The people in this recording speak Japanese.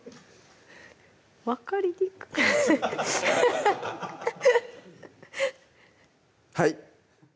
分かりにくいはい！